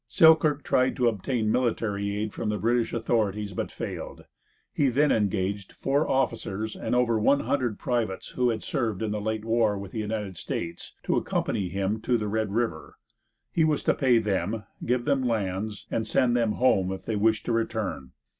Selkirk tried to obtain military aid from the British authorities, but failed. He then engaged four officers and over one hundred privates who had served in the late War with the United States to accompany him to the Red river. He was to pay them, give them lands, and send them home if they wished to return.